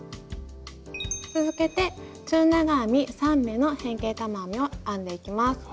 続けて中長編み３目の変形玉編みを編んでいきます。